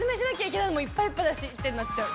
もういっぱいいっぱいだしってなっちゃう。